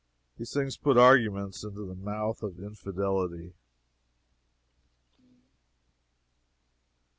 These things put arguments into the mouth of infidelity.